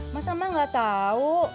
masa mak enggak tahu